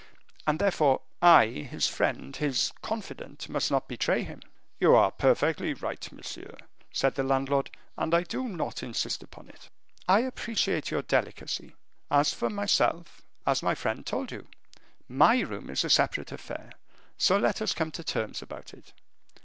"And, therefore, I, his friend, his confidant, must not betray him." "You are perfectly right, monsieur," said the landlord, "and I do not insist upon it." "I appreciate your delicacy. As for myself, as my friend told you, my room is a separate affair, so let us come to terms about it.